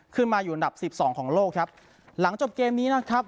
ขึ้นมาอยู่อันดับสิบสองของโลกครับหลังจบเกมนี้นะครับ